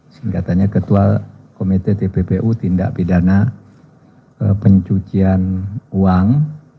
singkatannya ketua komite tppu tindak pidana pencucian uang